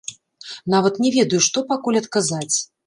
Нават не ведаю, што пакуль адказаць.